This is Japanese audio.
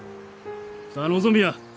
さあ望みや！